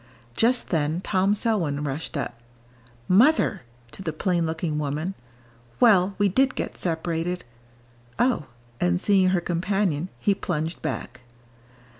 Just then Tom Selwyn rushed up: "Mother!" to the plain looking woman; "well, we did get separated! Oh!" and seeing her companion he plunged back.